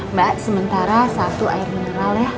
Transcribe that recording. mbak sementara satu air mineral ya